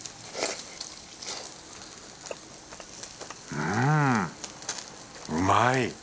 うんうまい。